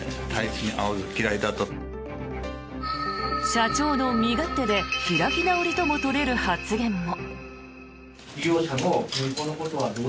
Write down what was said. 社長の身勝手で開き直りとも取れる発言も。